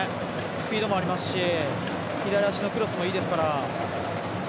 スピードもありますし左足のクロスもいいですから。